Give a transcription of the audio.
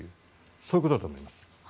そういうことだと思います。